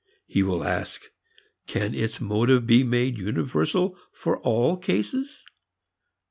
He will ask: Can its motive be made universal for all cases?